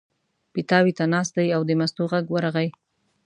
پیتاوي ته ناست دی او د مستو غږ ورغی.